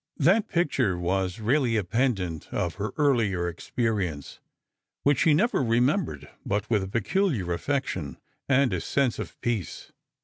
That picture was really a pendant of her earlier experience, which she never remembered but with a peculiar affection, and a sense of peace.